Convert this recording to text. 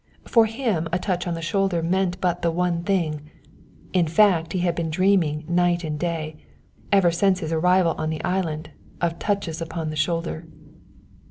For him a touch on the shoulder meant but the one thing, in fact he had been dreaming night and day, ever since his arrival on the island, of touches upon the shoulder.